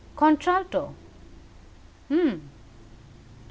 Contralto hum!